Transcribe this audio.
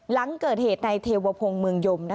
หลังเกิดเหตุในเทวพงศ์เมืองยม